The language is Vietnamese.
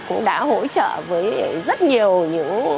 cũng đã hỗ trợ với rất nhiều